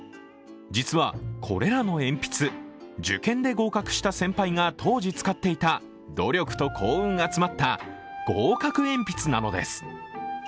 実はこれらの鉛筆、受験で合格した先輩が当時使っていた、努力と幸運が詰まった合格鉛筆なのです。